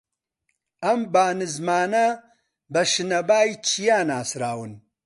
ئەم با نزمانە بە شنەبای چیا ناسراون